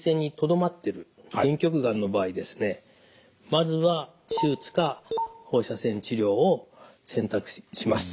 まずは手術か放射線治療を選択します。